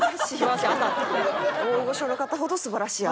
大御所の方ほど素晴らしい朝。